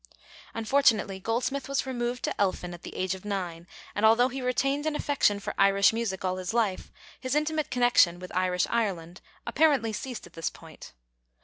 Unfortunately Goldsmith was removed to Elphin at the age of nine, and although he retained an affection for Irish music all his life, his intimate connection with Irish Ireland apparently ceased at this point.